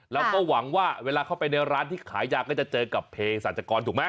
เราก็หวังว่าเวลาเข้าไปในร้านที่ขายยาก็จะเจอกับเพศรัชกรถูกไหม